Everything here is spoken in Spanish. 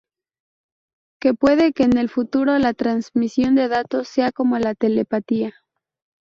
que puede que en el futuro la transmisión de datos sea como la telepatía